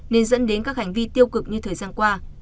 nên dẫn đến các hành vi tiêu cực như thời gian qua